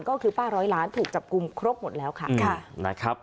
ก็คือป้าร้อยล้านถูกจับกลุ่มครบหมดแล้วค่ะนะครับ